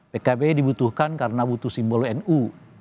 pkb dibutuhkan karena butuh simbol nu